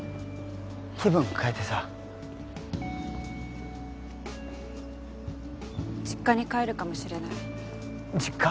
気分変えてさ実家に帰るかもしれない実家？